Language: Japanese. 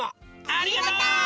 ありがとう！